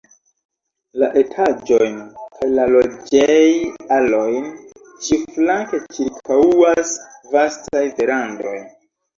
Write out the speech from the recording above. La etaĝojn kaj la loĝej-alojn ĉiuflanke ĉirkaŭas vastaj verandoj.